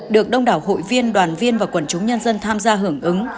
được đông đảo hội viên đoàn viên và quần chúng nhân dân tham gia hưởng ứng